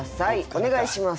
お願いします。